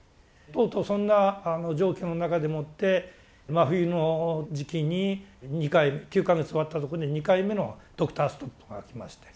とうとうそんな状況の中でもって冬の時期に２回目９か月終わったとこで２回目のドクターストップがきまして。